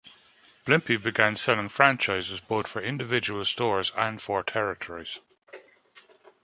Blimpie began selling franchises both for individual stores and for territories.